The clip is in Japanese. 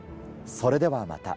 それではまた。